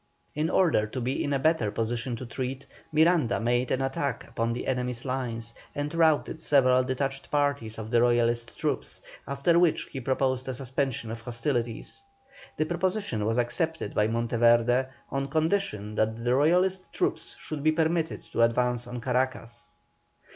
In order to be in a better position to treat, Miranda made an attack upon the enemy's lines, and routed several detached parties of the Royalist troops, after which he proposed a suspension of hostilities. The proposition was accepted by Monteverde, on condition that the Royalist troops should be permitted to advance on Caracas.